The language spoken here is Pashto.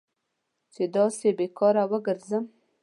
چې داسې بې کاره وګرځم.